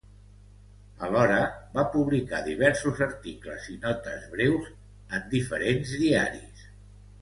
Alhora, va publicar diversos articles i notes breus en diferents diaris.